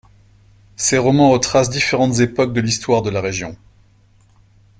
Ses romans retracent différentes époques de l'histoire de la région.